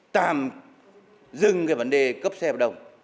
tạm dừng cái vấn đề cấp xe hợp đồng